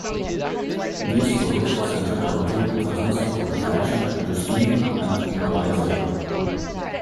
These stories centred on two Cousins of the Faction, Justine and Eliza.